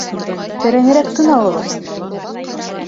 Тәрәнерәк тын алығыҙ!